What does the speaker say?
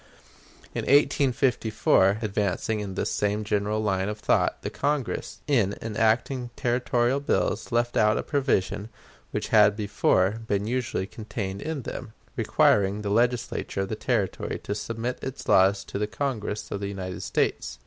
In 1854, advancing in this same general line of thought, the Congress, in enacting territorial bills, left out a provision which had before been usually contained in them, requiring the Legislature of the Territory to submit its laws to the Congress of the United States.